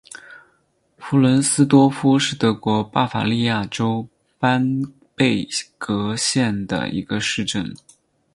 弗伦斯多夫是德国巴伐利亚州班贝格县的一个市镇。